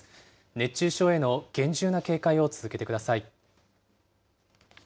熱中症への厳重な警戒を続けてください。